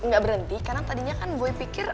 gak berhenti karena tadinya kan boy pikir